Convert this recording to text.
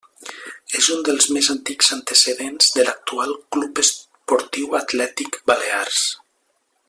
És un dels més antics antecedents de l'actual Club Esportiu Atlètic Balears.